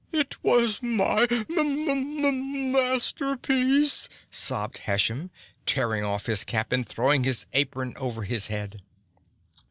"It was my m m asterpiece," sobbed Hashem, tearing off his cap and throwing his apron over his head.